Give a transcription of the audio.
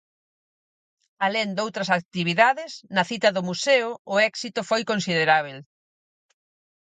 Alén doutras actividades, na cita no Museo, o éxito foi considerábel.